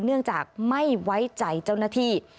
เนื่องจากไม่ไว้ใจเจ้าหน้าที่